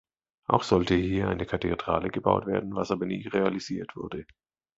Auch sollte hier eine Kathedrale gebaut werden, was aber nie realisiert wurde.